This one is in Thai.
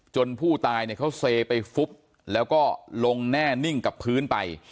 ผู้ตายเนี่ยเขาเซไปฟุบแล้วก็ลงแน่นิ่งกับพื้นไป